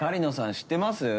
知ってます？